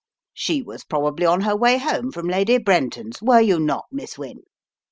She was probably on her way home from Lady Brenton's; were you not, Miss Wynne?"